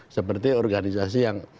seperti organisasi yang